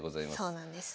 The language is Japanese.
そうなんです。